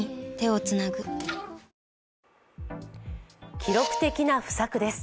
記録的な不作です。